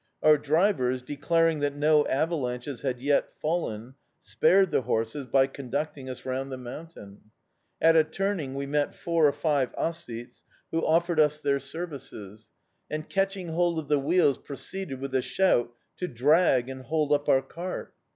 Our drivers, declaring that no avalanches had yet fallen, spared the horses by conducting us round the mountain. At a turning we met four or five Ossetes, who offered us their services; and, catching hold of the wheels, proceeded, with a shout, to drag and hold up our cart.